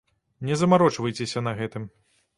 Не замарочвайцеся на гэтым.